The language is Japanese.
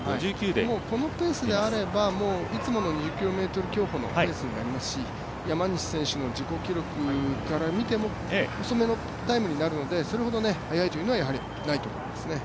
このペースであれば、いつもの２０ｋｍ競歩のペースになりますし山西選手の自己記録から見ても遅めのタイムになりますのでそれほど速いというのはないと思いますね。